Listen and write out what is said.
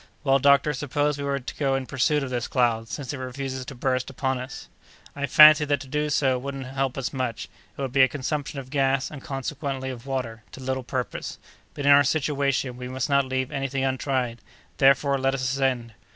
"Well, doctor, suppose we were to go in pursuit of this cloud, since it refuses to burst upon us?" "I fancy that to do so wouldn't help us much; it would be a consumption of gas, and, consequently, of water, to little purpose; but, in our situation, we must not leave anything untried; therefore, let us ascend!"